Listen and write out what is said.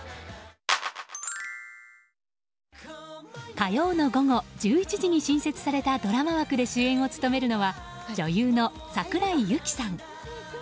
火曜の午後１１時に新設されたドラマ枠で主演を務めるのは女優の桜井ユキさん。